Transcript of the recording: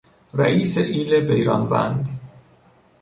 رئیس ایل بیران وند